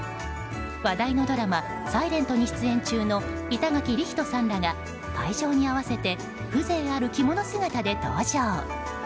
話題のドラマ「ｓｉｌｅｎｔ」に出演中の板垣李光人さんらが会場に合わせて風情ある着物姿で登場。